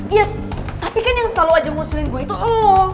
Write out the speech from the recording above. iya tapi kan yang selalu aja mau sulin gue itu lo